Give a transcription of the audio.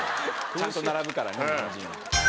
ちゃんと並ぶからね日本人は。